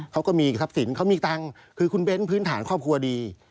เขาก็มีทรัพย์สินเขามีตังค์คือคุณเบ้นพื้นฐานครอบครัวดี